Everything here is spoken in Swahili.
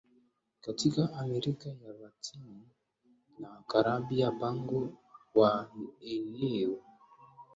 Katika Amerika ya Latini na Karabia mpango wa eneo